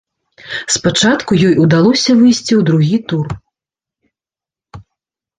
Спачатку ёй удалося выйсці ў другі тур.